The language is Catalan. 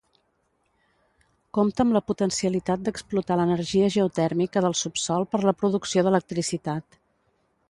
Compta amb la potencialitat d'explotar l'energia geotèrmica del subsòl per la producció d'electricitat.